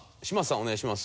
お願いします。